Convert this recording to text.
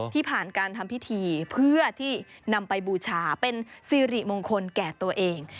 ที่ผ่านการทำพิธีเพื่อที่นำไปบูชาเป็นสิริมงคลแก่ตัวเอง